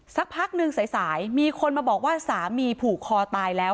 สักพักหนึ่งสายมีคนมาบอกว่าสามีผูกคอตายแล้ว